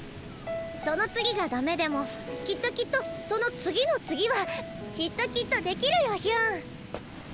その次がダメでもきっときっとその次の次はきっときっとできるよヒュン！